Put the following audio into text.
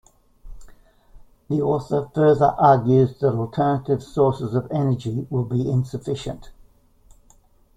The author further argues that alternative sources of energy will be insufficient.